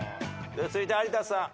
続いて有田さん。